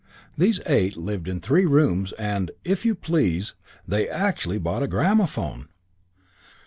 These eight lived in three rooms and "if you please" they actually bought a gramophone!